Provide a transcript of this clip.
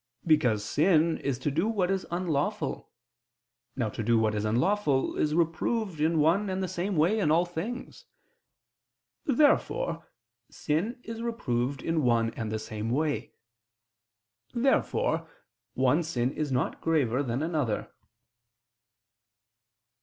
Because sin is to do what is unlawful. Now to do what is unlawful is reproved in one and the same way in all things. Therefore sin is reproved in one and the same way. Therefore one sin is not graver than another.